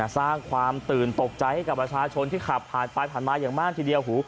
สร้างความตื่นตกใจให้กับประชาชนที่ขับผ่านไปผ่านมาอย่างมากทีเดียว